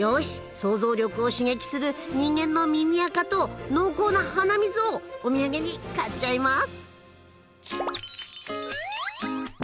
想像力を刺激する人間の耳あかと濃厚な鼻水をお土産に買っちゃいます！